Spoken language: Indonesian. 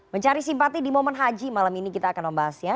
mencari simpati di momen haji malam ini kita akan membahasnya